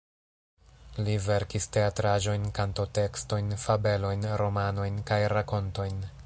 Li verkis teatraĵojn, kanto-tekstojn, fabelojn, romanojn, kaj rakontojn.